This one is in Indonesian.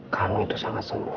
kamu itu sangat sempurna